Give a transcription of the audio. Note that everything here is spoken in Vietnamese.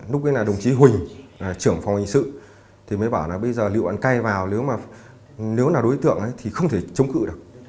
lúc ấy là đồng chí huỳnh trưởng phòng hình sự thì mới bảo là bây giờ lựu đạn cây vào nếu là đối tượng thì không thể chống cự được